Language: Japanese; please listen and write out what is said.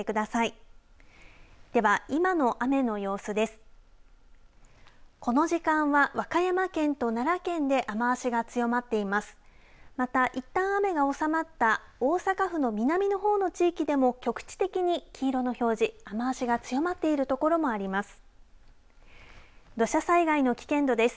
またいったん雨が収まった大阪府の南の方の地域でも局地的に黄色の表示雨足が強まっている所もあります。